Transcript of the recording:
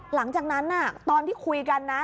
หลังจากนั้นตอนที่คุยกันนะ